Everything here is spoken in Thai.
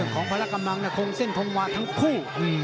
ของพระราชกำลังคงเส้นทงวาทั้งคู่